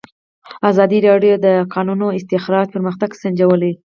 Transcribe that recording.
ازادي راډیو د د کانونو استخراج پرمختګ سنجولی.